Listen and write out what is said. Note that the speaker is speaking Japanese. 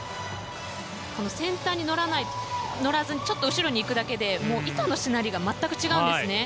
先端に乗らずにちょっと後ろに行くだけで板のしなりが全く違うんですね。